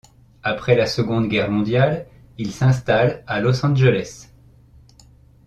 Après la Seconde Guerre mondiale, il s'installe à Los Angeles.